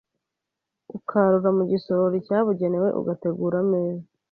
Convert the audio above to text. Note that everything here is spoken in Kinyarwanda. ukarura mu gisorori cyabugenewe ugategura ameza